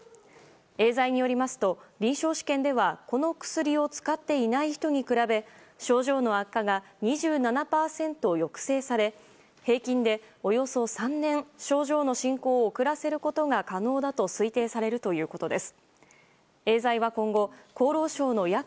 エーザイによりますと臨床試験ではこの薬を使っていない人に比べ症状の悪化が２７％抑制され平均で、およそ３年症状の進行を遅らせることが可能だと推定されるということです。